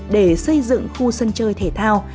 để xây dựng khu sân chơi thể thao